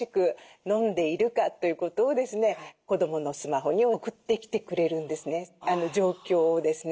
子どものスマホに送ってきてくれるんですね状況をですね。